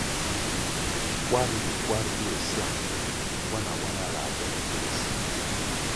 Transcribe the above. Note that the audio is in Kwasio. Kwar mbpi kwar bir syang pyong, nwana-nwana ga bele poh si.